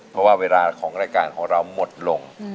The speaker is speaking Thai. เพราะว่าเวลาของรายการของเราหมดลง